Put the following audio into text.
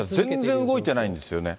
全然動いていないんですよね。